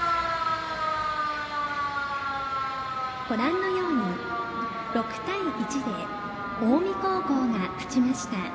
ご覧のように６対１で近江高校が勝ちました。